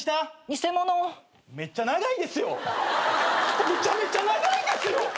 これめちゃめちゃ長いですよ。